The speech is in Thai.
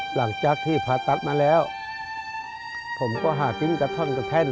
หลังจากที่ผ่าตัดมาแล้วผมก็หากินกระท่อนกระแท่น